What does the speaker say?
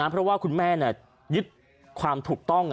เพราะว่าคุณแม่ยึดความถูกต้อง